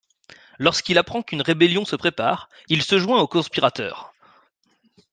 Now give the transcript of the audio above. Lorsqu'il apprend qu'une rébellion se prépare, il se joint aux conspirateurs.